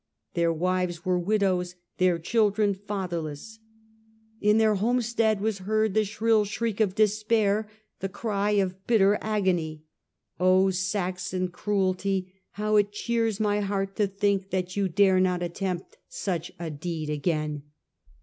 Their wives were widows, their children fatherless. In their homesteads was heard the shrill shriek of despair — the cry of bitter agony. Oh, Saxon cruelty, how it cheers my heart to think that you dare not attempt such a deed again